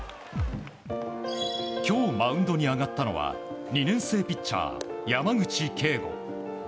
今日マウンドに上がったのは２年生ピッチャー山口恵悟。